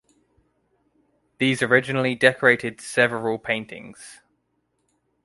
These originally decorated several paintings.